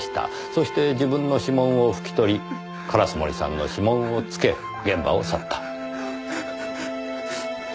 そして自分の指紋を拭き取り烏森さんの指紋をつけ現場を去った。